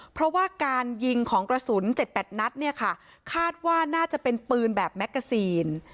เพราะว่าการยิงของกระสุน๗๘นัดเนี่ยค่ะคาดว่าน่าจะเป็นปืนแบบแมกกาซีน